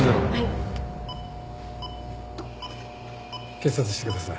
結紮してください。